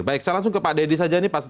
baik saya langsung ke pak deddy saja